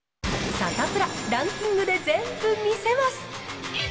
サタプラ、ランキングで全部見せます。